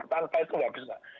tanpa itu tidak bisa